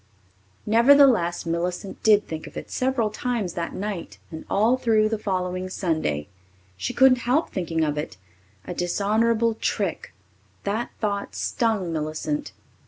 Nevertheless, Millicent did think of it several times that night and all through the following Sunday. She couldn't help thinking of it. A dishonourable trick! That thought stung Millicent.